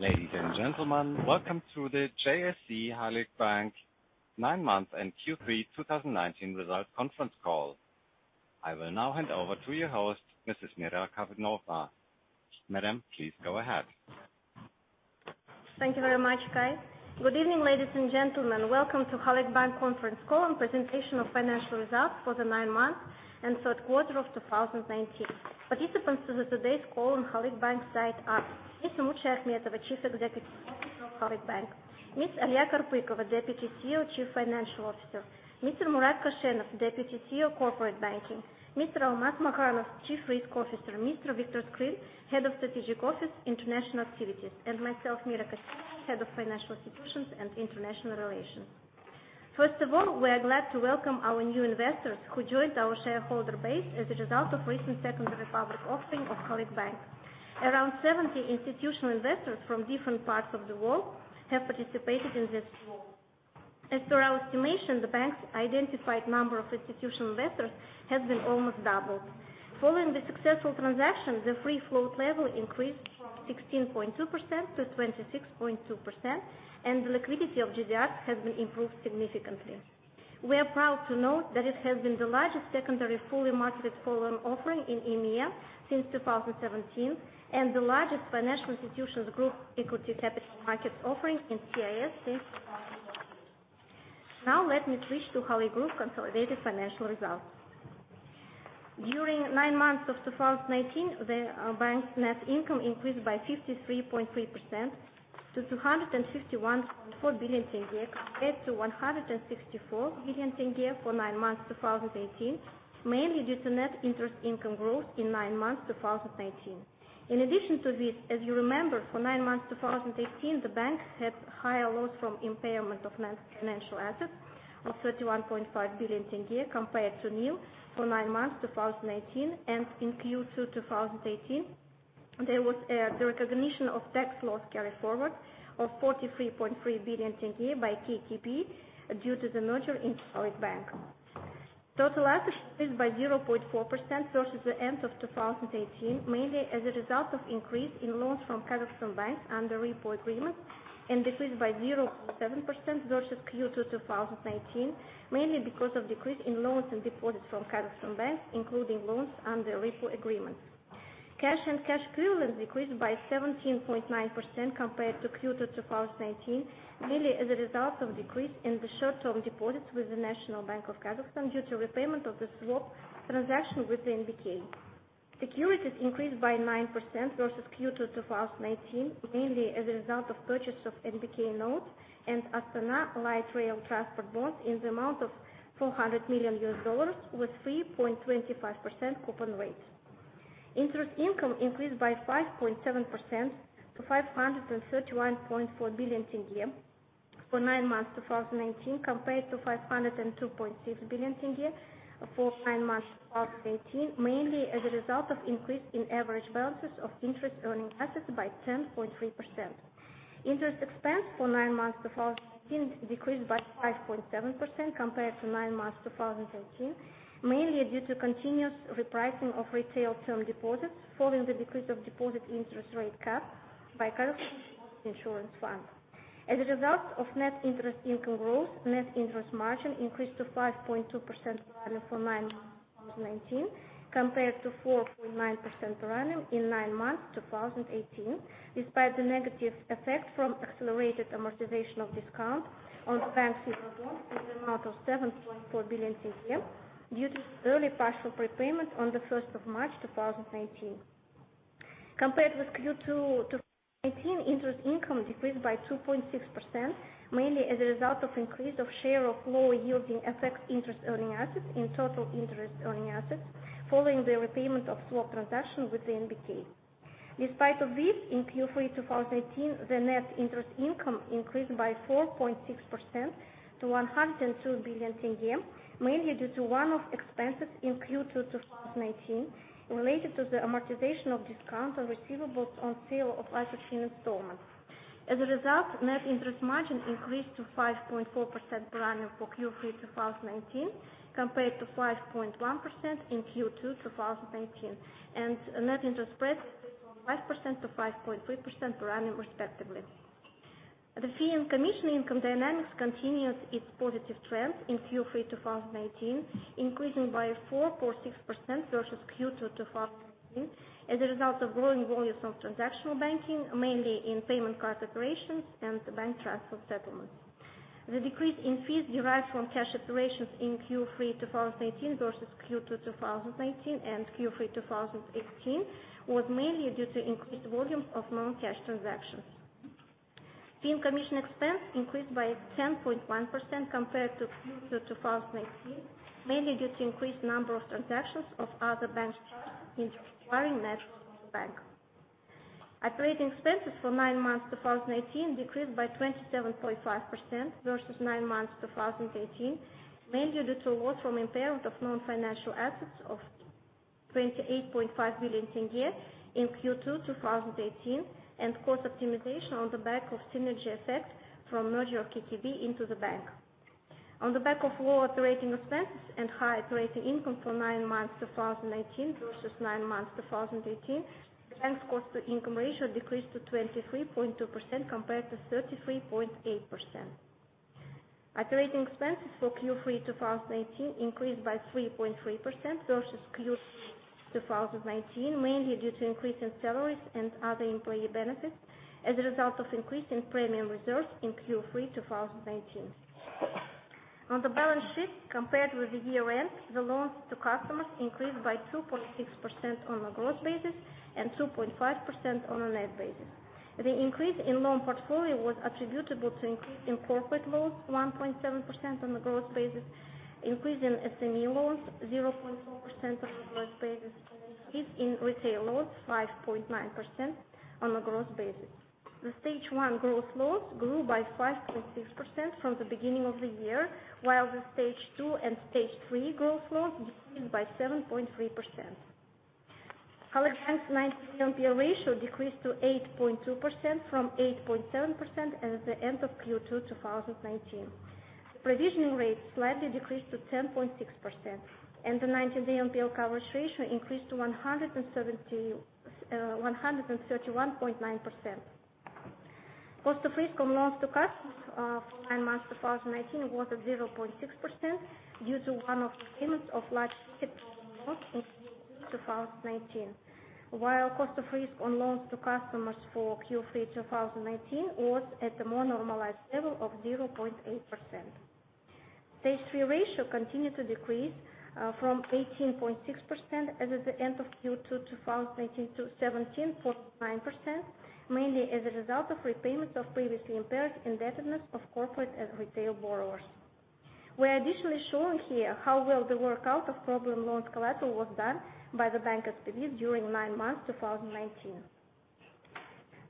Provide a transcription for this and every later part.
Ladies and gentlemen, welcome to the JSC Halyk Bank nine months and Q3 2019 results conference call. I will now hand over to your host, Mrs. Mira Kassenova. Madam, please go ahead. Thank you very much, Kai. Good evening, ladies and gentlemen. Welcome to Halyk Bank Conference Call and presentation of financial results for the nine months and third quarter of 2019. Participants to today's call on Halyk Bank side are Ms. Umut Shayakhmetova, Chief Executive Officer of Halyk Bank; Ms. Alya Karpykova, Deputy CEO, Chief Financial Officer; Mr. Murat Koshenov, Deputy CEO, Corporate Banking; Mr. Almas Makhanov, Chief Risk Officer; Mr. Viktor Skryl, Head of Strategic Office, International Activities; and myself, Mira Kassenova, Head of Financial Institutions and International Relations. First of all, we are glad to welcome our new investors who joined our shareholder base as a result of recent secondary public offering of Halyk Bank. Around 70 institutional investors from different parts of the world have participated in this call. As per our estimation, the bank's identified number of institutional investors has been almost doubled. Following the successful transaction, the free float level increased from 16.2% to 26.2%, and the liquidity of GDR has been improved significantly. We are proud to note that it has been the largest secondary fully marketed foreign offering in EMEA since 2017 and the largest financial institutions group equity capital markets offering in CIS since 2018. Now let me switch to Halyk Group consolidated financial results. During nine months of 2019, the bank's net income increased by 53.3% to KZT 251.4 billion compared to KZT 164 billion for nine months 2018, mainly due to net interest income growth in nine months 2019. In addition to this, as you remember, for nine months 2018, the bank had higher loss from impairment of non-financial assets of KZT 31.5 billion compared to nil for nine months 2019. In Q2 2018, there was the recognition of tax loss carry forward of KZT 43.3 billion by KKB due to the merger into Halyk Bank. Total assets increased by 0.4% versus the end of 2018, mainly as a result of increase in loans from National Bank of Kazakhstan under repo agreement and decreased by 0.7% versus Q2 2019, mainly because of decrease in loans and deposits from National Bank of Kazakhstan, including loans under repo agreements. Cash and cash equivalents decreased by 17.9% compared to Q2 2019, mainly as a result of decrease in the short-term deposits with the National Bank of Kazakhstan due to repayment of the swap transaction with the NBK. Securities increased by 9% versus Q2 2019, mainly as a result of purchase of NBK notes and Astana Light Rail Transit bonds in the amount of $400 million with 3.25% coupon rate. Interest income increased by 5.7% to KZT 531.4 billion for nine months 2019 compared to KZT 502.6 billion for nine months 2018, mainly as a result of increase in average balances of interest earning assets by 10.3%. Interest expense for nine months 2019 decreased by 5.7% compared to nine months 2018, mainly due to continuous repricing of retail term deposits following the decrease of deposit interest rate cap by Kazakhstan Deposit Insurance Fund. As a result of net interest income growth, net interest margin increased to 5.2% per annum for nine months 2019 compared to 4.9% per annum in nine months 2018, despite the negative effect from accelerated amortization of discount on advanced in the bond in the amount of KZT 7.4 billion due to early partial prepayment on the 1st of March 2019. Compared with Q2 2018, interest income decreased by 2.6%, mainly as a result of increase of share of lower yielding effect interest earning assets in total interest earning assets following the repayment of swap transaction with the NBK. Despite of this, in Q3 2018, the net interest income increased by 4.6% to KZT 102 billion, mainly due to one-off expenses in Q2 2019 related to the amortization of discount on receivables on sale of life insurance installments. As a result, net interest margin increased to 5.4% per annum for Q3 2019 compared to 5.1% in Q2 2019, and net interest spread increased from 5% to 5.3% per annum respectively. The fee and commission income dynamics continues its positive trend in Q3 2019, increasing by 4.6% versus Q2 2019 as a result of growing volumes of transactional banking, mainly in payment card operations and bank transfer settlements. The decrease in fees derived from cash operations in Q3 2019 versus Q2 2019 and Q3 2018 was mainly due to increased volumes of non-cash transactions. Fee and commission expense increased by 10.1% compared to Q2 2018, mainly due to increased number of transactions of other banks charged in acquiring networks of the bank. Operating expenses for nine months 2019 decreased by 27.5% versus nine months 2018, mainly due to loss from impairment of non-financial assets of KZT 28.5 billion in Q2 2018 and cost optimization on the back of synergy effect from merger of KKB into the bank. On the back of lower operating expenses and higher operating income for nine months 2019 versus nine months 2018, the bank's cost-to-income ratio decreased to 23.2% compared to 33.8%. Operating expenses for Q3 2019 increased by 3.3% versus Q2 2019, mainly due to increase in salaries and other employee benefits as a result of increase in premium reserves in Q3 2019. On the balance sheet, compared with the year end, the loans to customers increased by 2.6% on a gross basis and 2.5% on a net basis. The increase in loan portfolio was attributable to increase in corporate loans, 1.7% on a gross basis, increase in SME loans, 0.4% on a gross basis, and increase in retail loans, 5.9% on a gross basis. The stage 1 gross loans grew by 5.6% from the beginning of the year, while the stage 2 and stage 3 gross loans decreased by 7.3%. Halyk Bank's 90DPD ratio decreased to 8.2% from 8.7% at the end of Q2 2019. Provisioning rates slightly decreased to 10.6%, and the 90DPD coverage ratio increased to 131.9%. Cost of risk on loans to customers for nine months 2019 was at 0.6% due to one of the payments of large problem loans in Q2 2019. Cost of risk on loans to customers for Q3 2019 was at a more normalized level of 0.8%. Stage 3 ratio continued to decrease from 18.6% as at the end of Q2 2019 to 17.9%, mainly as a result of repayments of previously impaired indebtedness of corporate and retail borrowers. We're additionally showing here how well the work out of problem loans collateral was done by the bank's committees during nine months 2019.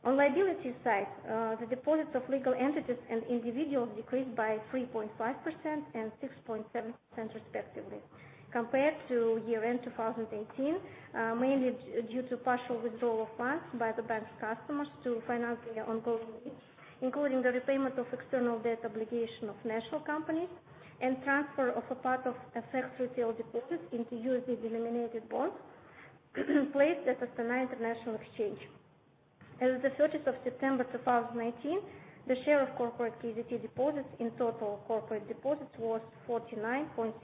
On liability side, the deposits of legal entities and individuals decreased by 3.5% and 6.7% respectively compared to year end 2018, mainly due to partial withdrawal of funds by the bank's customers to finance their ongoing needs, including the repayment of external debt obligation of national companies, and transfer of a part of FX retail deposits into USD denominated bonds placed at Astana International Exchange. As of the 30th of September 2019, the share of corporate KZT deposits in total corporate deposits was 49.6%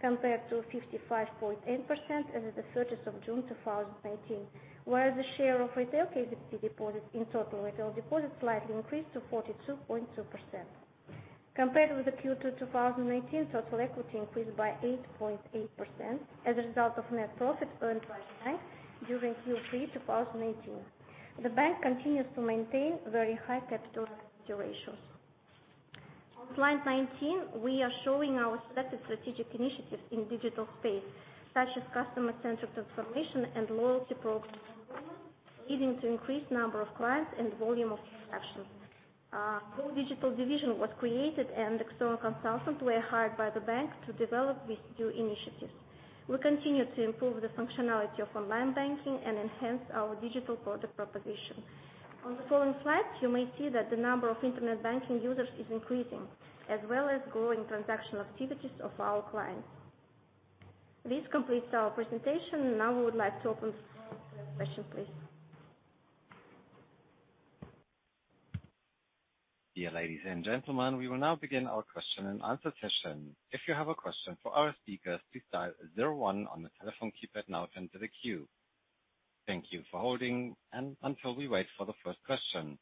compared to 55.8% as of the 30th of June 2019. While the share of retail KZT deposits in total retail deposits slightly increased to 42.2%. Compared with the Q2 2019, total equity increased by 8.8% as a result of net profits earned by the bank during Q3 2019. The bank continues to maintain very high capital ratios. On slide 19, we are showing our selected strategic initiatives in digital space, such as customer-centric transformation and loyalty program enrollment, leading to increased number of clients and volume of transactions. Our whole digital division was created, and external consultants were hired by the bank to develop these two initiatives. We continue to improve the functionality of online banking and enhance our digital product proposition. On the following slides, you may see that the number of internet banking users is increasing, as well as growing transaction activities of our clients. This completes our presentation. Now we would like to open for question please. Dear ladies and gentlemen, we will now begin our question and answer session. If you have a question for our speakers, please dial zero one on the telephone keypad now to enter the queue. Thank you for holding and until we wait for the first question.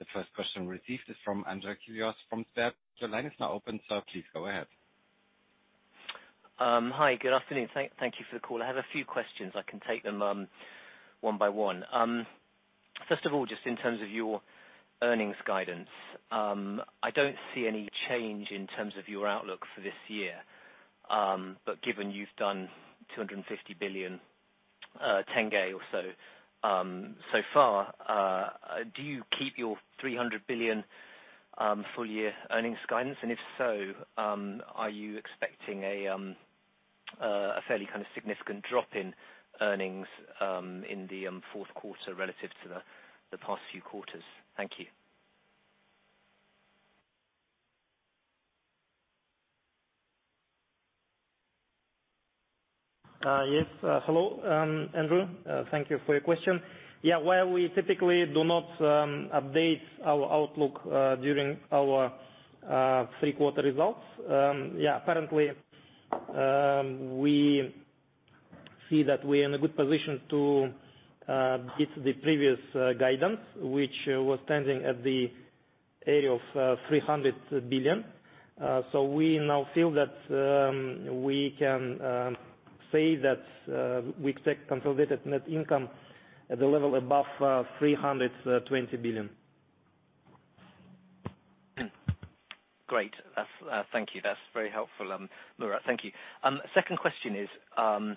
The first question received is from Andrew Kyrios from STB. Your line is now open. Please go ahead. Hi, good afternoon. Thank you for the call. I have a few questions. I can take them one by one. Just in terms of your earnings guidance, I don't see any change in terms of your outlook for this year. Given you've done KZT 250 billion or so far, do you keep your KZT 300 billion full year earnings guidance? If so, are you expecting a fairly significant drop in earnings in the fourth quarter relative to the past few quarters? Thank you. Yes. Hello, Andrew. Thank you for your question. While we typically do not update our outlook during our three quarter results, currently we see that we're in a good position to beat the previous guidance, which was standing at the area of KZT 300 billion. We now feel that we can say that we expect consolidated net income at the level above KZT 320 billion. Great. Thank you. That's very helpful, Murat. Thank you. Second question is on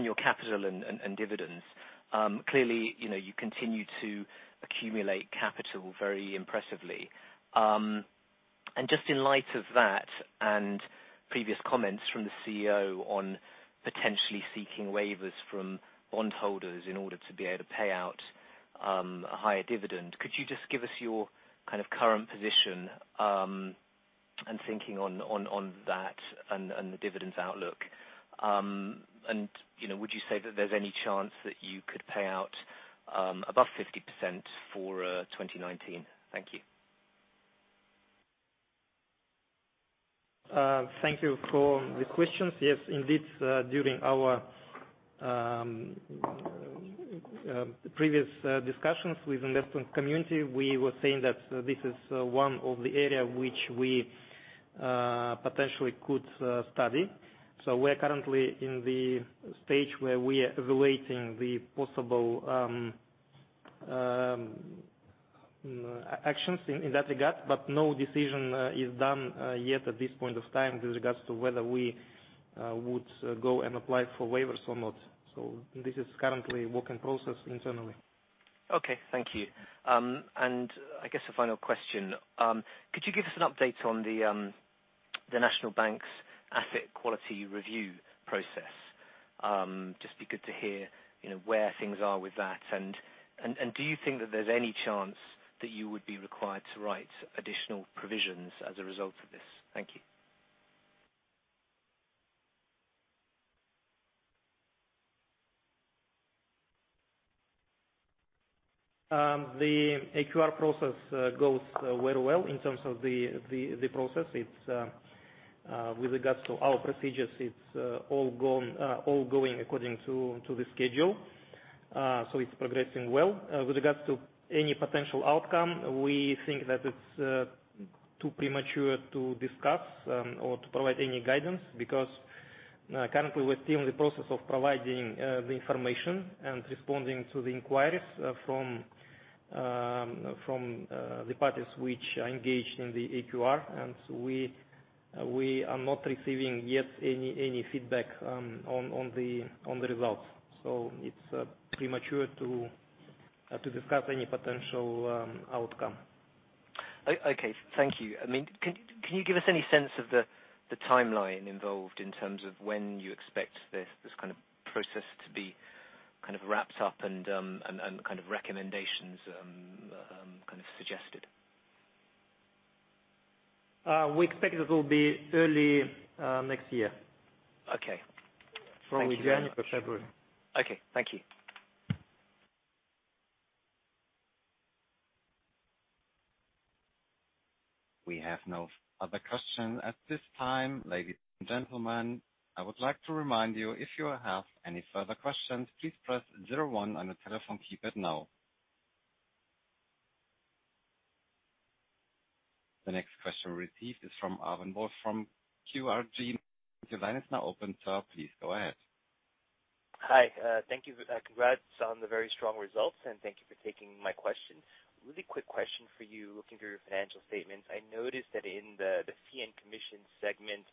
your capital and dividends. Clearly, you continue to accumulate capital very impressively. Just in light of that and previous comments from the CEO on potentially seeking waivers from bondholders in order to be able to pay out a higher dividend, could you just give us your current position and thinking on that and the dividends outlook? And would you say that there's any chance that you could pay out above 50% for 2019? Thank you. Thank you for the questions. Yes, indeed. During our previous discussions with investment community, we were saying that this is one of the areas which we potentially could study. We're currently in the stage where we are evaluating the possible actions in that regard, but no decision is done yet at this point of time with regards to whether we would go and apply for waivers or not. This is currently work in process internally. Okay, thank you. I guess a final question. Could you give us an update on the National Bank's Asset Quality Review process? Just be good to hear where things are with that and do you think that there's any chance that you would be required to write additional provisions as a result of this? Thank you. The AQR process goes very well in terms of the process. With regards to our procedures, it's all going according to the schedule. It's progressing well. With regards to any potential outcome, we think that it's too premature to discuss or to provide any guidance, because currently we're still in the process of providing the information and responding to the inquiries from the parties which are engaged in the AQR. We are not receiving yet any feedback on the results. It's premature to discuss any potential outcome. Okay. Thank you. Can you give us any sense of the timeline involved in terms of when you expect this kind of process to be wrapped up and recommendations suggested? We expect it will be early next year. Okay. Thank you. From January, February. Okay, thank you. We have no other questions at this time. Ladies and gentlemen, I would like to remind you if you have any further questions, please press zero one on your telephone keypad now. The next question received is from Arvind Bose from QRG. Your line is now open, sir. Please go ahead. Hi. Thank you. Congrats on the very strong results, and thank you for taking my question. Really quick question for you. Looking through your financial statements, I noticed that in the fee and commission segment,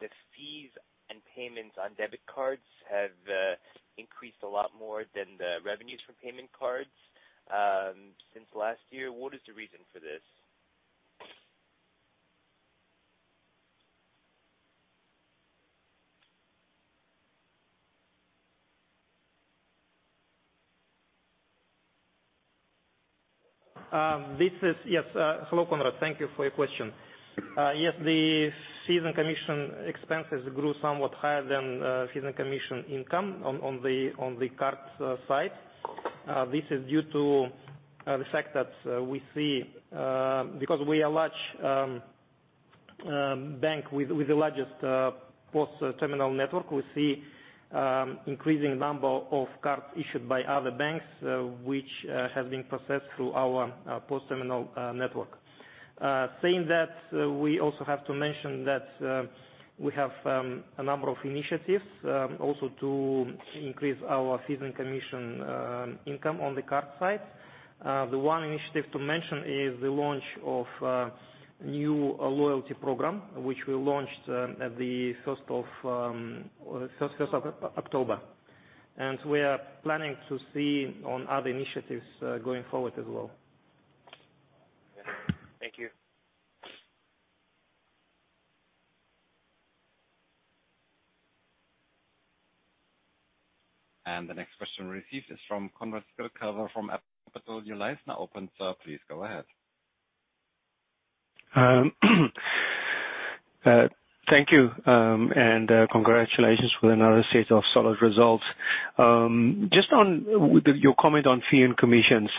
the fees and payments on debit cards have increased a lot more than the revenues from payment cards since last year. What is the reason for this? Hello, Conrad. Thank you for your question. The fee and commission expenses grew somewhat higher than fee and commission income on the card side. This is due to the fact that because we are a large bank with the largest POS terminal network, we see increasing number of cards issued by other banks, which have been processed through our POS terminal network. Saying that, we also have to mention that we have a number of initiatives also to increase our fee and commission income on the card side. The one initiative to mention is the launch of a new loyalty program, which we launched at the 1st of October. We are planning to see on other initiatives going forward as well. Thank you. The next question received is from Conrad Skurka from Capital. Your line is now open, sir. Please go ahead. Thank you, and congratulations with another set of solid results. Just on with your comment on fee and commissions,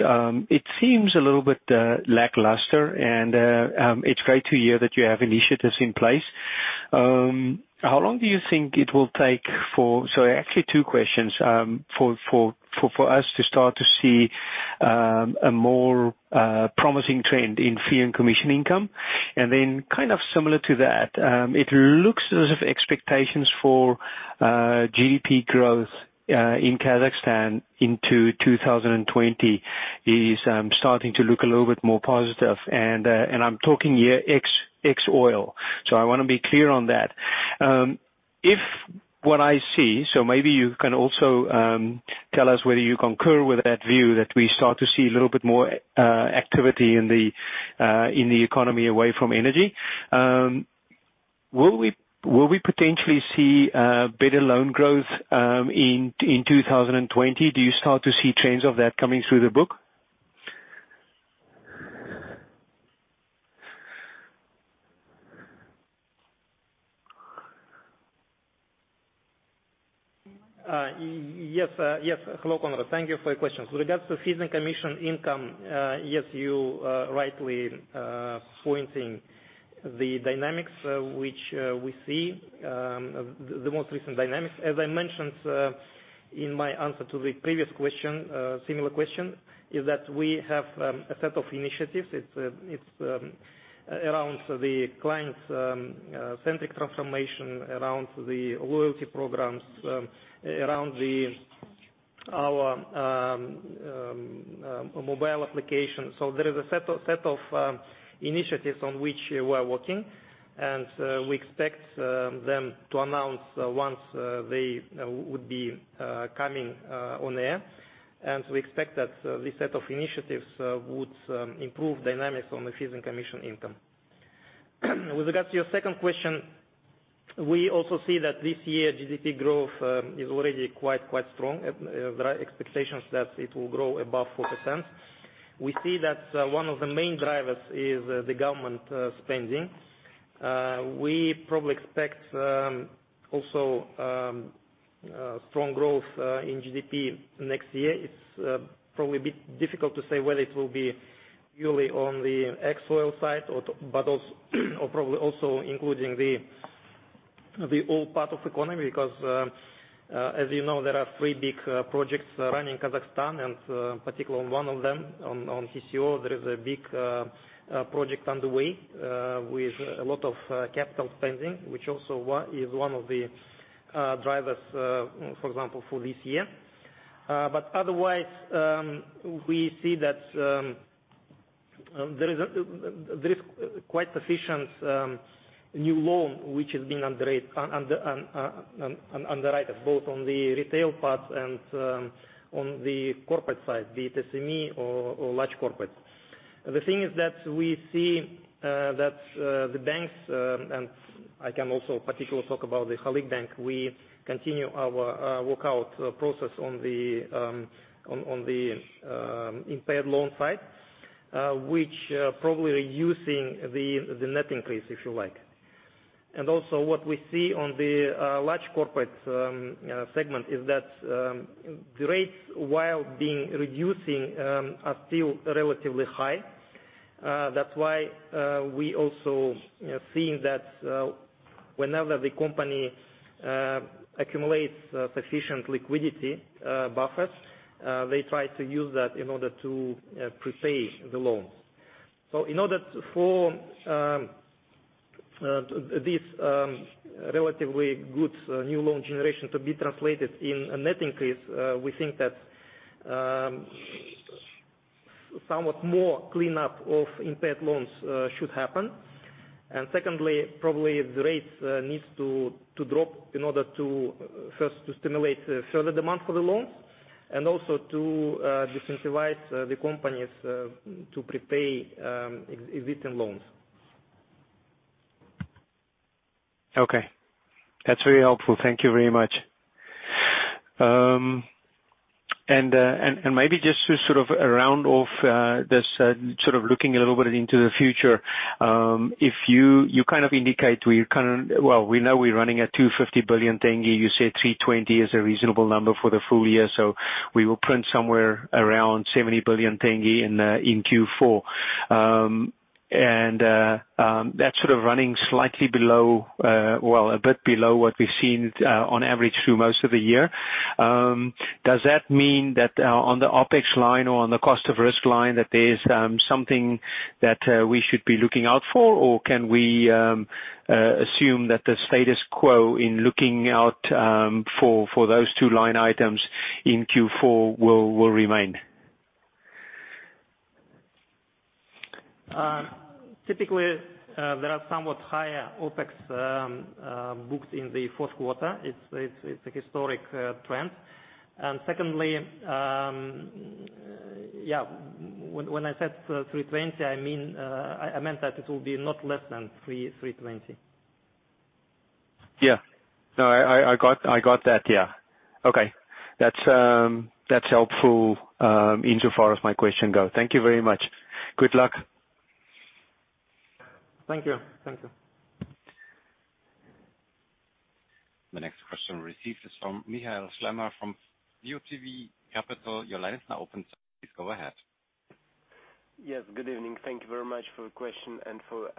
it seems a little bit lackluster and it's great to hear that you have initiatives in place. Actually, two questions. How long do you think it will take for us to start to see a more promising trend in fee and commission income? Then kind of similar to that, it looks as if expectations for GDP growth in Kazakhstan into 2020 is starting to look a little bit more positive. I'm talking here ex oil. I want to be clear on that. What I see, maybe you can also tell us whether you concur with that view that we start to see a little bit more activity in the economy away from energy? Will we potentially see better loan growth in 2020? Do you start to see signs of that coming through the book? Yes. Hello, Conrad. Thank you for your question. With regards to fees and commission income, yes, you are rightly pointing the dynamics which we see, the most recent dynamics. As I mentioned in my answer to the previous similar question, is that we have a set of initiatives. It's around the client-centric transformation, around the loyalty programs, around our mobile application. There is a set of initiatives on which we are working, and we expect them to announce once they would be coming on air. We expect that this set of initiatives would improve dynamics on the fees and commission income. With regards to your second question, we also see that this year's GDP growth is already quite strong. There are expectations that it will grow above 4%. We see that one of the main drivers is the government spending. We probably expect also strong growth in GDP next year. It's probably a bit difficult to say whether it will be purely on the ex-oil side, but probably also including the oil part of the economy because, as you know, there are three big projects running in Kazakhstan, and particularly one of them, on TCO, there is a big project underway with a lot of capital spending, which also is one of the drivers, for example, for this year. Otherwise, we see that there is quite sufficient new loan, which is being underwritten, both on the retail part and on the corporate side, be it SME or large corporate. The thing is that we see that the banks, and I can also particularly talk about the Halyk Bank, we continue our workout process on the impaired loan side, which probably reducing the net increase, if you like. What we see on the large corporate segment is that the rates, while being reducing, are still relatively high. That's why we also are seeing that whenever the company accumulates sufficient liquidity buffers, they try to use that in order to prepay the loans. In order for this relatively good new loan generation to be translated in a net increase, we think that somewhat more cleanup of impaired loans should happen. Secondly, probably the rates needs to drop in order to first, to stimulate further demand for the loans, and also to disincentivize the companies to prepay existing loans. Okay. That's very helpful. Thank you very much. Maybe just to sort of round off this, sort of looking a little bit into the future, you kind of indicate. Well, we know we're running at KZT 250 billion. You said 320 is a reasonable number for the full year, so we will print somewhere around KZT 70 billion in Q4. That's sort of running slightly below, well, a bit below what we've seen on average through most of the year. Does that mean that on the OpEx line or on the cost of risk line, that there's something that we should be looking out for, or can we assume that the status quo in looking out for those two line items in Q4 will remain? Typically, there are somewhat higher OpEx books in the fourth quarter. It's a historic trend. Secondly, when I said 320, I meant that it will be not less than 320. Yeah. No, I got that. Yeah. Okay. That's helpful insofar as my question goes. Thank you very much. Good luck. Thank you. The next question received is from Michael Schlemmer from Votive Capital. Your line is now open, sir. Please go ahead. Yes, good evening. Thank you very much for the question and for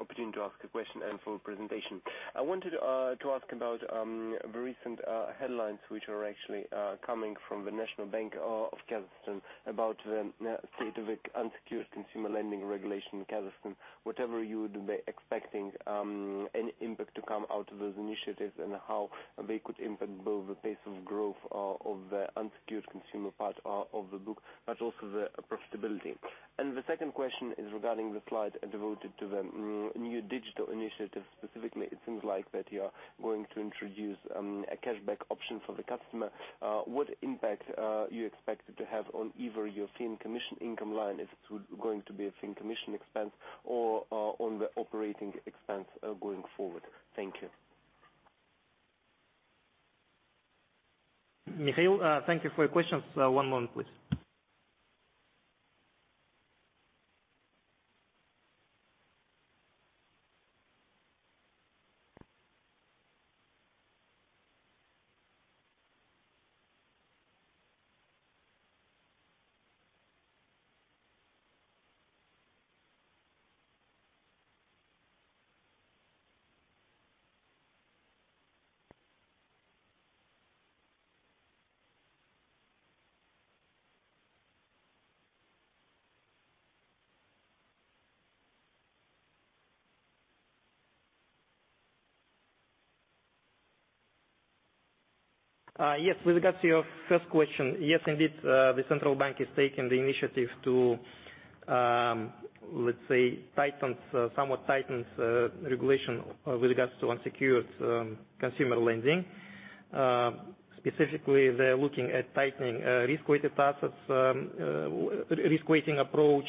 opportunity to ask a question and for the presentation. I wanted to ask about the recent headlines, which are actually coming from the National Bank of Kazakhstan about the state of unsecured consumer lending regulation in Kazakhstan. Whether you would be expecting any impact to come out of those initiatives and how they could impact both the pace of growth of the unsecured consumer part of the book, but also the profitability. The second question is regarding the slide devoted to the new digital initiative. Specifically, it seems like that you are going to introduce a cashback option for the customer. What impact you expect it to have on either your fee and commission income line, if it's going to be a fee and commission expense or on the operating expense going forward? Thank you. Mikhail, thank you for your questions. One moment, please. Yes. With regards to your first question, yes, indeed, the Central Bank is taking the initiative to, let's say, somewhat tightens regulation with regards to unsecured consumer lending. Specifically, they're looking at tightening risk-weighted assets, risk weighting approach,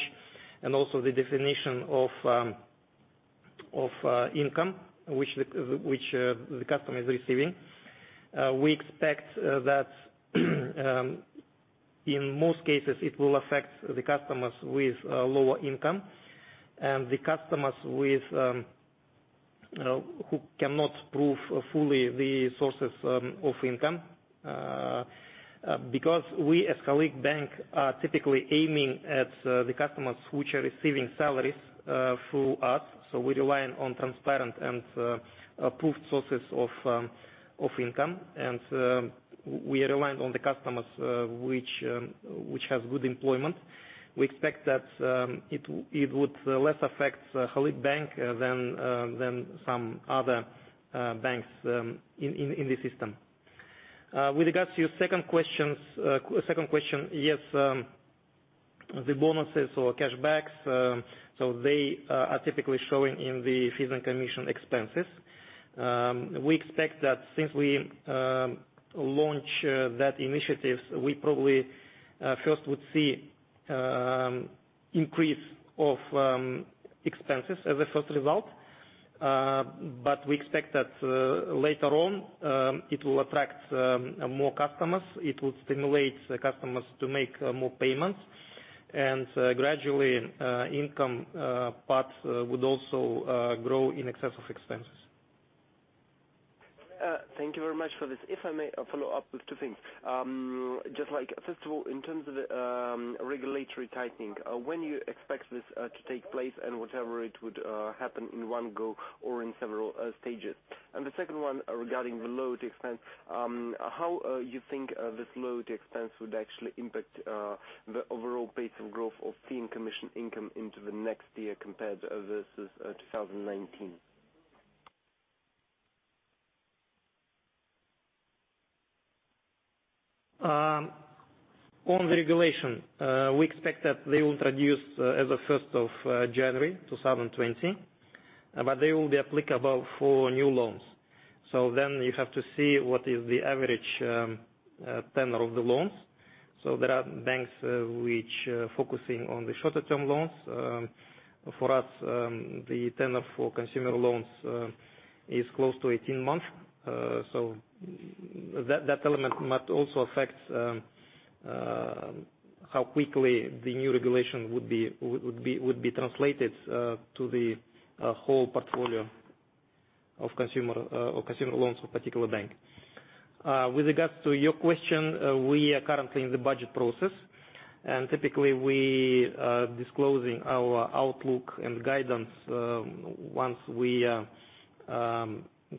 and also the definition of income which the customer is receiving. We expect that in most cases, it will affect the customers with lower income and the customers who cannot prove fully the sources of income. Because we, as Halyk Bank, are typically aiming at the customers who are receiving salaries through us, so we rely on transparent and approved sources of income. We rely on the customers which have good employment. We expect that it would less affect Halyk Bank than some other banks in the system. With regards to your second question, yes, the bonuses or cashbacks, they are typically showing in the fees and commission expenses. We expect that since we launch that initiative, we probably first would see increase of expenses as a first result. We expect that later on, it will attract more customers, it will stimulate the customers to make more payments, and gradually, income part would also grow in excess of expenses. Thank you very much for this. If I may follow up with two things. Just first of all, in terms of the regulatory tightening, when you expect this to take place and whether it would happen in one go or in several stages? The second one regarding the loyalty expense, how you think this loyalty expense would actually impact the overall pace of growth of fee and commission income into the next year compared versus 2019? On the regulation, we expect that they will introduce as of January 1, 2020. They will be applicable for new loans. You have to see what is the average tenure of the loans. There are banks which are focusing on the shorter term loans. For us, the tenure for consumer loans is close to 18 months. That element might also affect how quickly the new regulation would be translated to the whole portfolio of consumer loans for particular bank. With regards to your question, we are currently in the budget process. Typically, we are disclosing our outlook and guidance once we are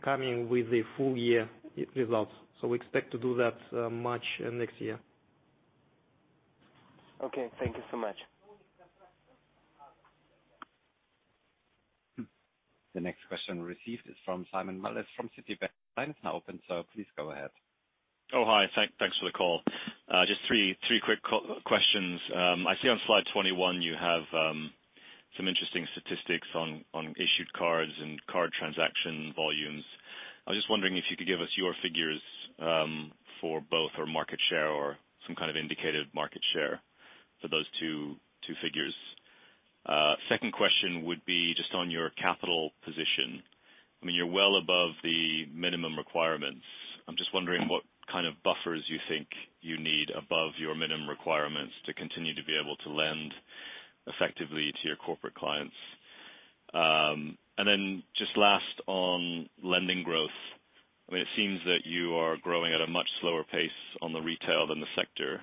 coming with the full year results. We expect to do that March next year. Okay. Thank you so much. The next question received is from Simon Mullet from Citibank. Line is now open. Please go ahead. Oh, hi. Thanks for the call. Just three quick questions. I see on slide 21, you have some interesting statistics on issued cards and card transaction volumes. I was just wondering if you could give us your figures for both, or market share or some kind of indicated market share for those two figures. Second question would be just on your capital position. You're well above the minimum requirements. I'm just wondering what kind of buffers you think you need above your minimum requirements to continue to be able to lend effectively to your corporate clients. Just last on lending growth, it seems that you are growing at a much slower pace on the retail than the sector.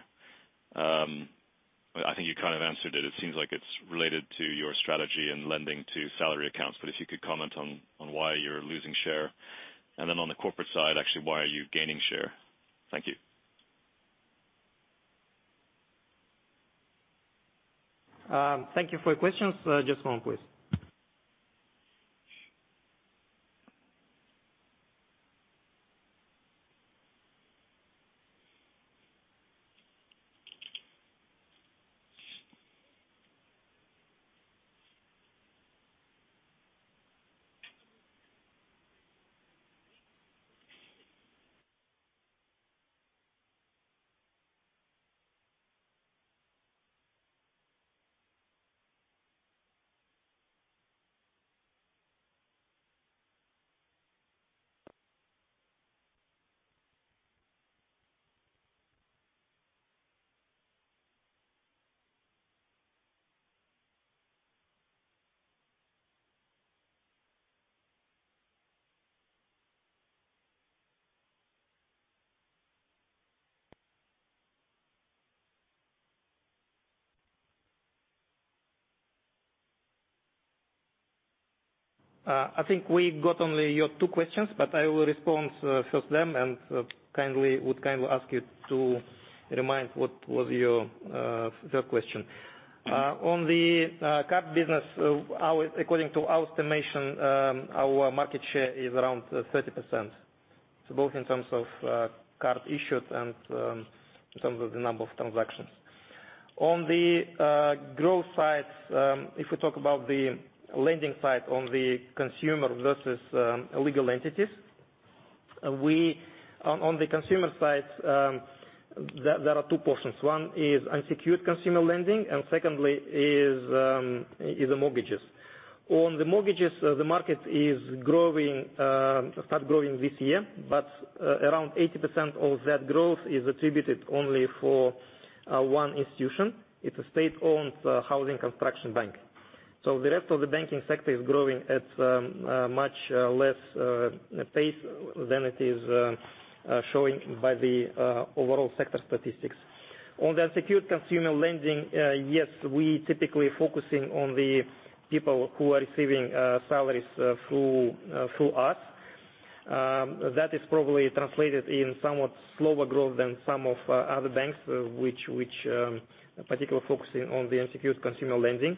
I think you kind of answered it. It seems like it's related to your strategy and lending to salary accounts, but if you could comment on why you're losing share. On the corporate side, actually, why are you gaining share? Thank you. Thank you for your questions. Just one, please. I think we got only your two questions, but I will respond first them and would kindly ask you to remind what was your third question. On the card business, according to our estimation, our market share is around 30%, so both in terms of card issued and in terms of the number of transactions. On the growth side, if we talk about the lending side on the consumer versus legal entities, on the consumer side, there are two portions. One is unsecured consumer lending, and secondly is the mortgages. On the mortgages, the market start growing this year, but around 80% of that growth is attributed only for one institution. It's a state-owned Housing Construction Bank. The rest of the banking sector is growing at much less pace than it is showing by the overall sector statistics. On the unsecured consumer lending, yes, we typically focusing on the people who are receiving salaries through us. That is probably translated in somewhat slower growth than some of other banks, which particular focusing on the unsecured consumer lending.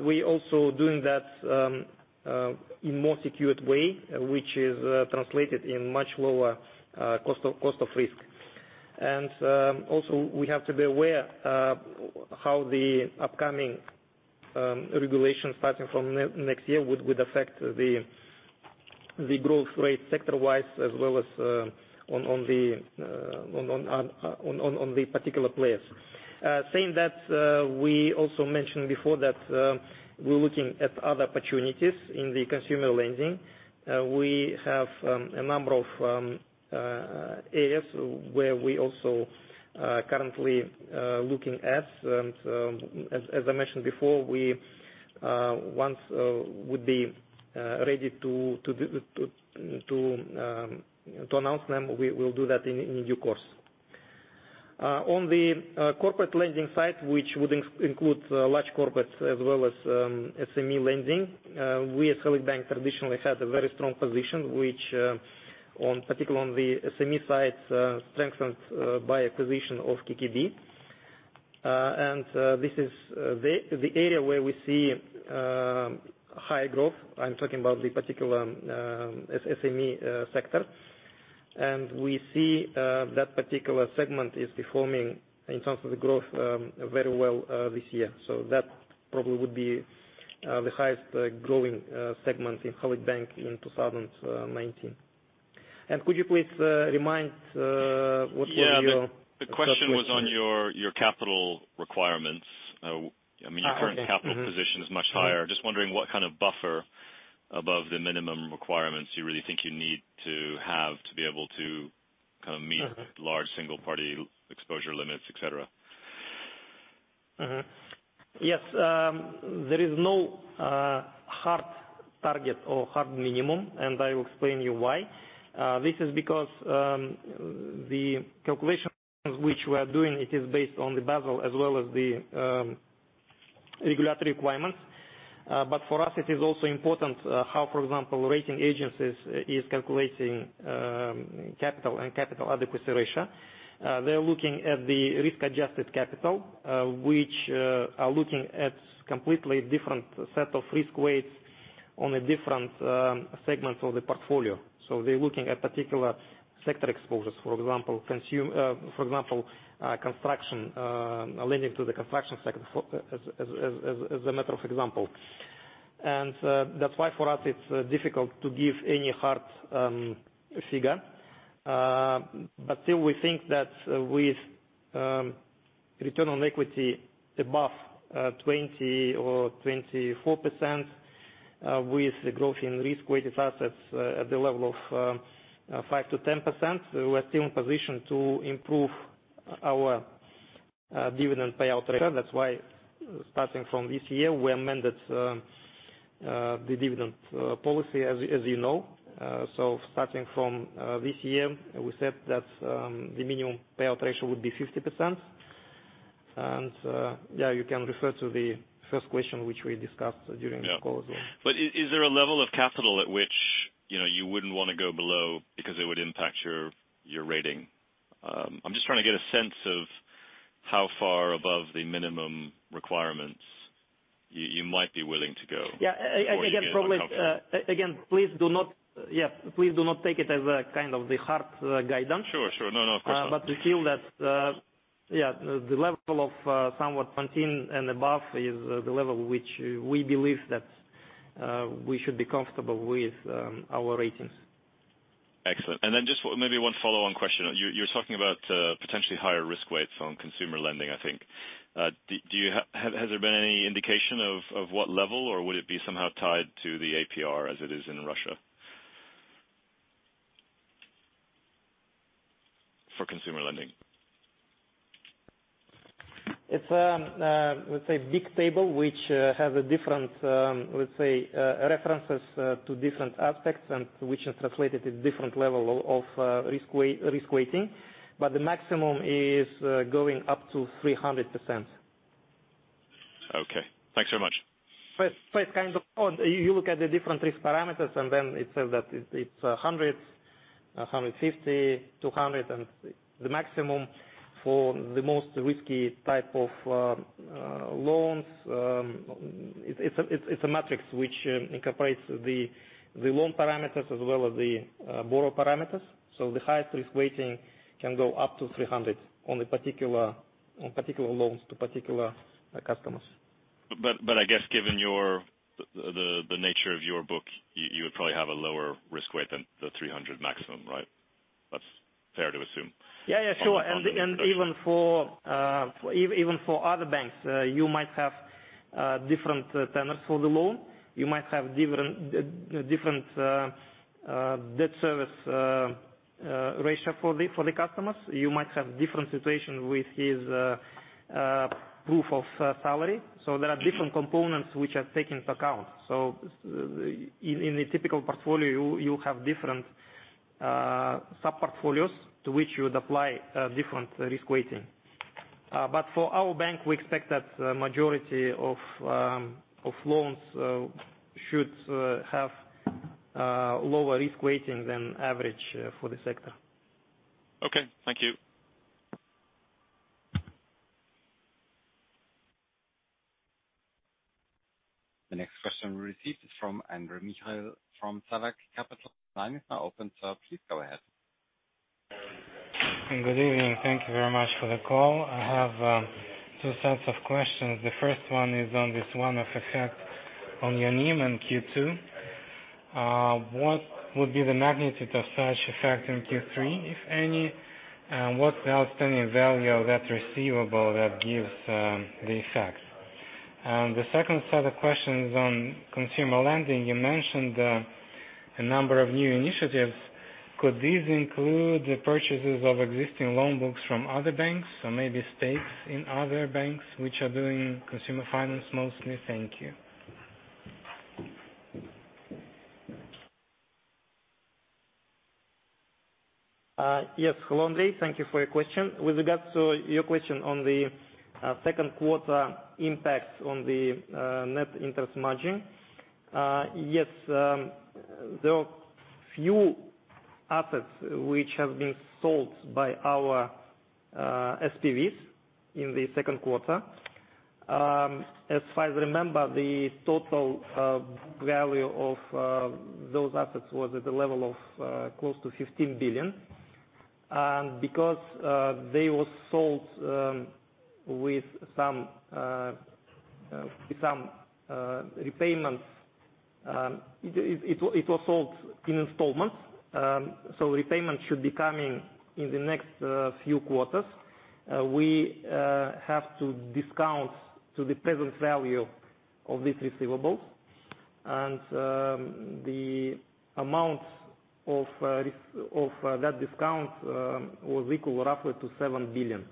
We also doing that in more secured way, which is translated in much lower cost of risk. Also, we have to be aware how the upcoming regulation starting from next year would affect the growth rate sector-wise as well as on the particular players. Saying that, we also mentioned before that we're looking at other opportunities in the consumer lending. We have a number of areas where we also currently looking at. As I mentioned before, once we would be ready to announce them, we'll do that in due course. On the corporate lending side, which would include large corporates as well as SME lending, we at Halyk Bank traditionally had a very strong position, which particular on the SME side, strengthened by acquisition of KKB. This is the area where we see high growth. I'm talking about the particular SME sector. We see that particular segment is performing in terms of the growth very well this year. That probably would be the highest growing segment in Halyk Bank in 2019. Could you please remind what was your third question? Yeah. The question was on your capital requirements. Okay. Mm-hmm. Your current capital position is much higher. Just wondering what kind of buffer above the minimum requirements you really think you need to have to be able to meet large single party exposure limits, et cetera? Yes. There is no hard target or hard minimum, and I will explain you why. This is because the calculations which we are doing, it is based on the Basel as well as the regulatory requirements. For us, it is also important how, for example, rating agencies is calculating capital and capital adequacy ratio. They're looking at the risk-adjusted capital, which are looking at completely different set of risk weights on a different segment of the portfolio. They're looking at particular sector exposures. For example lending to the construction sector as a matter of example. That's why for us, it's difficult to give any hard figure. Still, we think that with return on equity above 20% or 24%, with growth in risk-weighted assets at the level of 5%-10%, we are still in position to improve our dividend payout ratio. That's why starting from this year, we amended the dividend policy, as you know. Starting from this year, we said that the minimum payout ratio would be 50%. Yeah, you can refer to the first question which we discussed during the call as well. Yeah. Is there a level of capital at which you wouldn't want to go below because it would impact your rating? I'm just trying to get a sense of how far above the minimum requirements you might be willing to go before you get uncomfortable. Yeah. Again, please do not take it as a kind of the hard guidance. Sure. No, of course not. We feel that the level of somewhat 20 and above is the level which we believe that we should be comfortable with our ratings. Excellent. Just maybe one follow-on question. You're talking about potentially higher risk weights on consumer lending, I think. Has there been any indication of what level, or would it be somehow tied to the APR as it is in Russia, for consumer lending? It's a big table, which has a different, let's say, references to different aspects and which is translated to different level of risk weighting, but the maximum is going up to 300%. Okay. Thanks very much. First kind of loan, you look at the different risk parameters, and then it says that it's 100, 150, 200, and the maximum for the most risky type of loans. It's a matrix which incorporates the loan parameters as well as the borrower parameters. The highest risk weighting can go up to 300 on particular loans to particular customers. I guess given the nature of your book, you would probably have a lower risk weight than the 300 maximum, right? That's fair to assume? Yeah, sure. Even for other banks, you might have different tenors for the loan. You might have different debt service ratio for the customers. You might have different situation with his proof of salary. There are different components which are taken into account. In a typical portfolio, you have different sub-portfolios to which you would apply different risk weighting. For our bank, we expect that majority of loans should have lower risk weighting than average for the sector. Okay. Thank you. The next question received is from Andrew Mikhail from Sberbank CIB. Line is now open, sir. Please go ahead. Good evening. Thank you very much for the call. I have two sets of questions. The first one is on this one-off effect on your NIM in Q2. What would be the magnitude of such effect in Q3, if any? What's the outstanding value of that receivable that gives the effect? The second set of questions on consumer lending. You mentioned a number of new initiatives. Could these include the purchases of existing loan books from other banks or maybe stakes in other banks which are doing consumer finance mostly? Thank you. Yes. Hello, Andrew. Thank you for your question. With regards to your question on the second quarter impact on the net interest margin. Yes, there were few assets which have been sold by our SPVs in the second quarter. As far as I remember, the total value of those assets was at the level of close to $15 billion. Because they were sold with some repayments, it was sold in installments, so repayment should be coming in the next few quarters. We have to discount to the present value of these receivables, and the amount of that discount was equal roughly to $7 billion.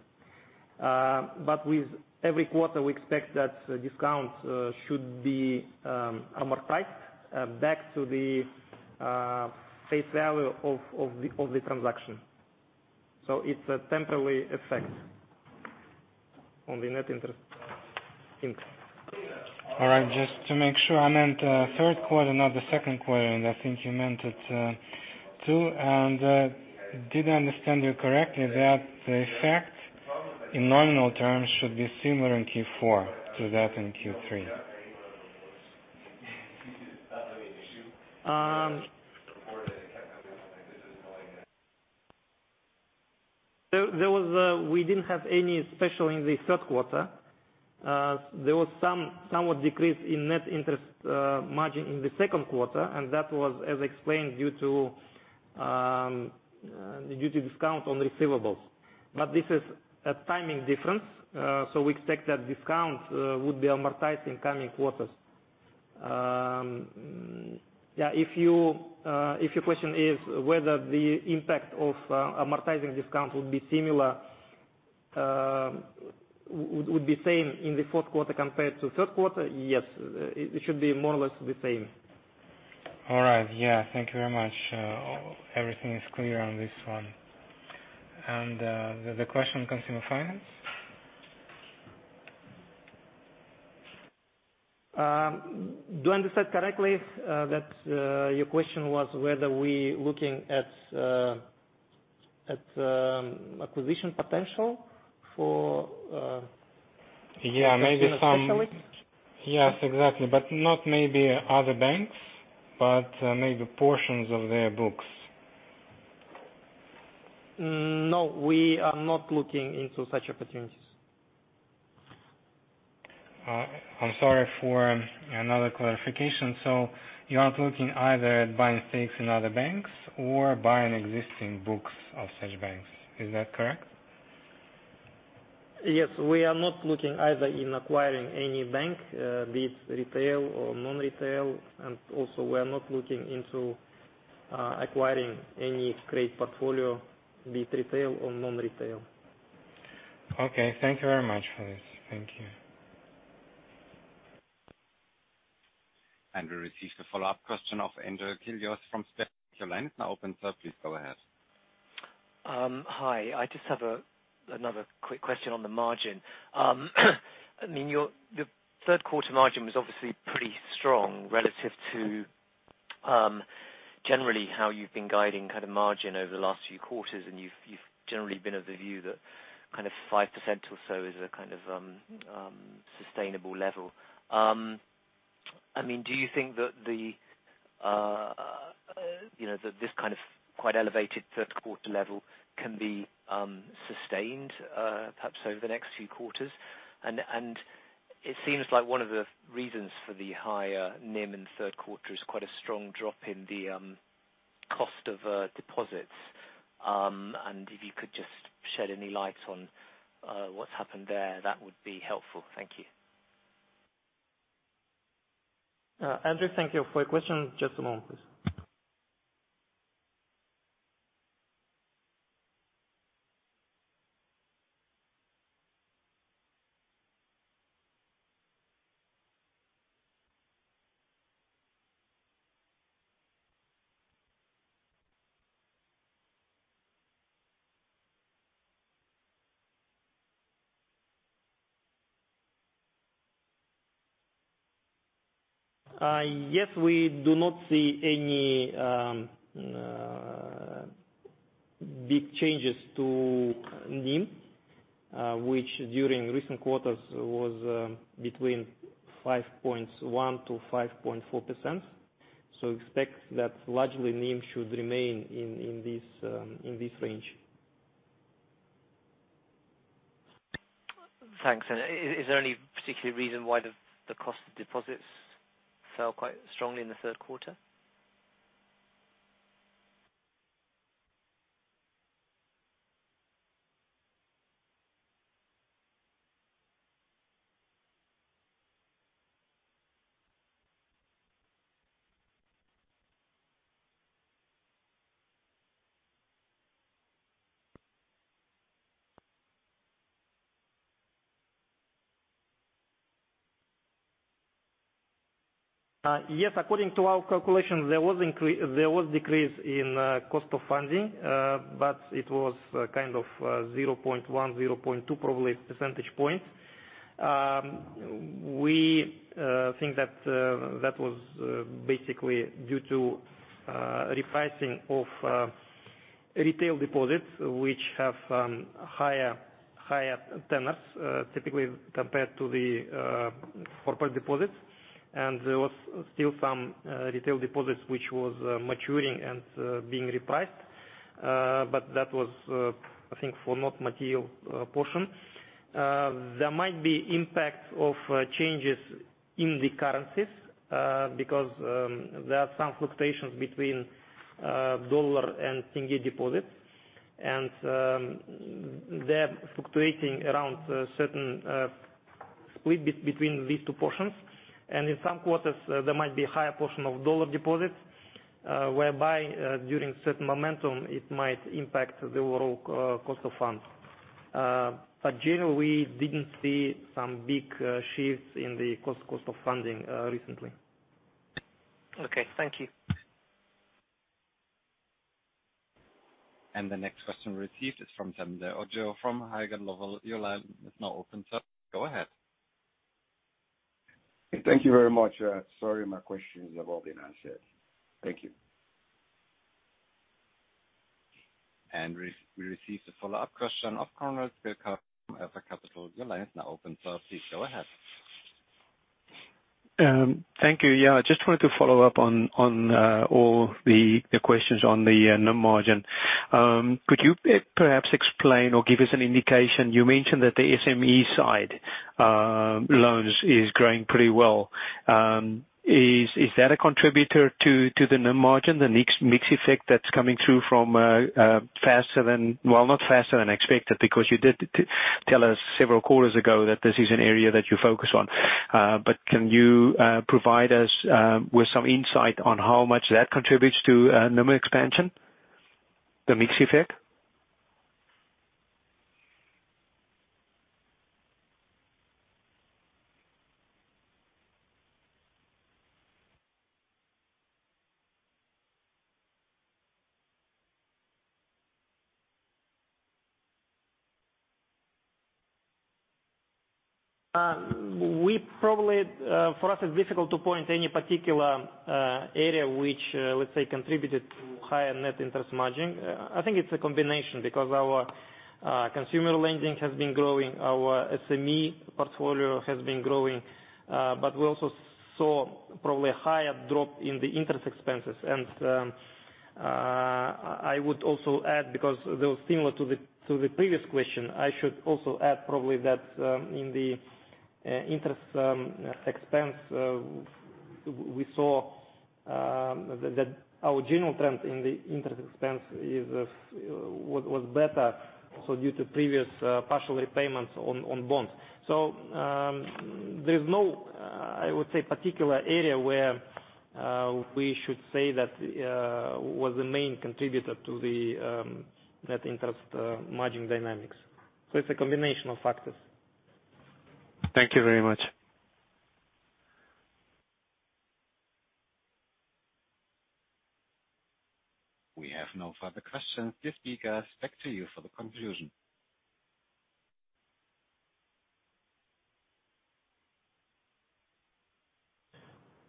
With every quarter, we expect that discount should be amortized back to the face value of the transaction. It's a temporary effect on the net interest income. All right. Just to make sure, I meant third quarter, not the second quarter, and I think you meant it too. Did I understand you correctly that the effect in nominal terms should be similar in Q4 to that in Q3? We didn't have any special in the third quarter. There was somewhat decrease in net interest margin in the second quarter, and that was as explained due to discount on receivables. This is a timing difference. We expect that discount would be amortized in coming quarters. If your question is whether the impact of amortizing discount would be same in the fourth quarter compared to third quarter, yes, it should be more or less the same. All right. Yeah. Thank you very much. Everything is clear on this one. The question on consumer finance? Do I understand correctly that your question was whether we looking at acquisition potential? Yeah, maybe. especially? Yes, exactly, but not maybe other banks, but maybe portions of their books. No, we are not looking into such opportunities. I'm sorry for another clarification. You aren't looking either at buying stakes in other banks or buying existing books of such banks. Is that correct? Yes. We are not looking either in acquiring any bank, be it retail or non-retail, also we are not looking into acquiring any credit portfolio, be it retail or non-retail. Okay. Thank you very much for this. Thank you. We receive the follow-up question of Andrew Gilios from STB now open, sir, please go ahead. Hi, I just have another quick question on the margin. I mean, your third quarter margin was obviously pretty strong relative to generally how you've been guiding margin over the last few quarters, and you've generally been of the view that 5% or so is a sustainable level. Do you think that this kind of quite elevated third quarter level can be sustained perhaps over the next few quarters? It seems like one of the reasons for the higher NIM in the third quarter is quite a strong drop in the cost of deposits. If you could just shed any light on what's happened there, that would be helpful. Thank you. Andrew, thank you for your question. Just a moment, please. Yes, we do not see any big changes to NIM, which during recent quarters was between 5.1%-5.4%. Expect that largely NIM should remain in this range. Thanks. Is there any particular reason why the cost of deposits fell quite strongly in the third quarter? Yes. According to our calculations, there was decrease in cost of funding. It was kind of 0.1, 0.2, probably percentage points. We think that was basically due to repricing of retail deposits, which have higher tenors, typically compared to the corporate deposits. There was still some retail deposits, which was maturing and being repriced. That was, I think, for not material portion. There might be impact of changes in the currencies, because there are some fluctuations between dollar and tenge deposits, and they're fluctuating around a certain split between these two portions. In some quarters, there might be a higher portion of dollar deposits, whereby, during certain momentum, it might impact the overall cost of funds. Generally, we didn't see some big shifts in the cost of funding recently. Okay. Thank you. The next question received is from Sander Ojo, from Houlihan Lokey. Your line is now open, sir. Go ahead. Thank you very much. Sorry, my question has already been answered. Thank you. We received a follow-up question of Conrad Silcar from Alpha Capital. Your line is now open, sir, please go ahead. Thank you. I just wanted to follow up on all the questions on the NIM margin. Could you perhaps explain or give us an indication, you mentioned that the SME side loans is growing pretty well. Can you provide us with some insight on how much that contributes to NIM expansion, the mix effect that's coming through from faster than Well, not faster than expected because you did tell us several quarters ago that this is an area that you focus on. Can you provide us with some insight on how much that contributes to NIM expansion, the mix effect? For us, it's difficult to point any particular area, which, let's say, contributed to higher net interest margin. I think it's a combination because our consumer lending has been growing, our SME portfolio has been growing. We also saw probably a higher drop in the interest expenses. I would also add, because though similar to the previous question, I should also add probably that in the interest expense, we saw that our general trend in the interest expense was better, so due to previous partial repayments on bonds. There's no, I would say, particular area where we should say that was the main contributor to the net interest margin dynamics. It's a combination of factors. Thank you very much. We have no further questions. Please, speakers, back to you for the conclusion.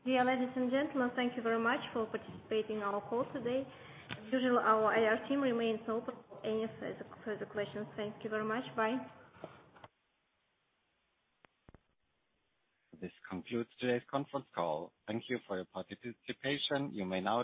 Dear ladies and gentlemen, thank you very much for participating in our call today. As usual, our IR team remains open for any further questions. Thank you very much. Bye. This concludes today's conference call. Thank you for your participation. You may now disconnect.